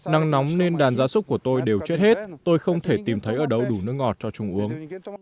nắng nóng nên đàn gia súc của tôi đều chết hết tôi không thể tìm thấy ở đâu đủ nước ngọt cho trùng uống